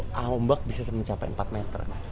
angin kencang itu ombak bisa mencapai empat meter